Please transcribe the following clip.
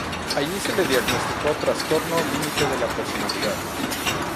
Allí se le diagnosticó trastorno límite de la personalidad.